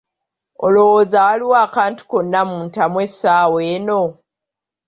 Olowooza waliwo akantu konna mu ntamu essaawa eno.